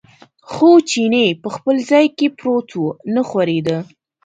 خو چیني په خپل ځای کې پروت و، نه ښورېده.